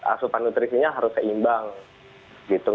asupan nutrisinya harus seimbang gitu